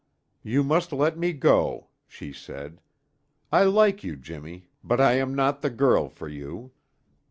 "You must let me go," she said. "I like you, Jimmy, but I am not the girl for you."